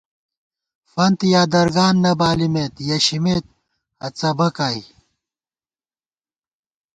فنت یا درگان نہ بالِمېت یَہ شِمېت ہَڅَبَک آئی